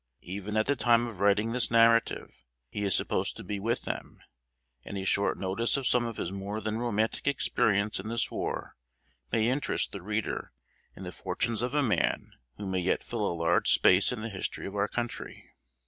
Even at the time of writing this narrative, he is supposed to be with them; and a short notice of some of his more than romantic experience in this war may interest the reader in the fortunes of a man who may yet fill a large space in the history of our country.